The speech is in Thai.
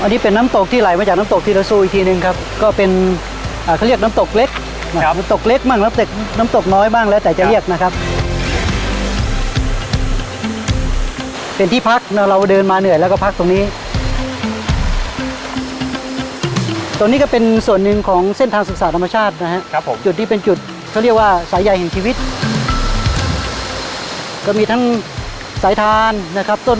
อันนี้เป็นน้ำตกที่ไหลมาจากน้ำตกทีละซูอีกทีหนึ่งครับก็เป็นอ่าเขาเรียกน้ำตกเล็กนะครับน้ำตกเล็กบ้างน้ำตกน้ำตกน้อยบ้างแล้วแต่จะเรียกนะครับเป็นที่พักเราเดินมาเหนื่อยแล้วก็พักตรงนี้ตรงนี้ก็เป็นส่วนหนึ่งของเส้นทางศึกษาธรรมชาตินะครับผมจุดนี้เป็นจุดเขาเรียกว่าสายใหญ่แห่งชีวิตก็มีทั้งสายทานนะครับต้น